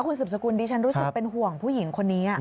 คุณสุบสกุลดิฉันรู้สึกเป็นห่วงผู้หญิงคนนี้